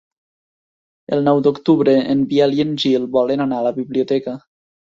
El nou d'octubre en Biel i en Gil volen anar a la biblioteca.